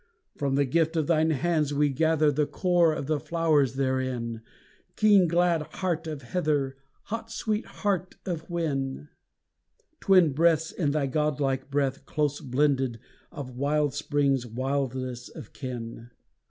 From the gift of thine hands we gather The core of the flowers therein, Keen glad heart of heather, Hot sweet heart of whin, Twin breaths in thy godlike breath close blended of wild spring's wildest of kin.